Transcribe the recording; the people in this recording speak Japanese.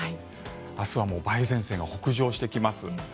明日は梅雨前線が北上してきます。